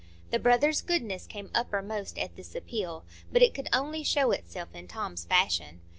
The brother's goodness came uppermost at this appeal, but it could only show itself in Tom's fashion.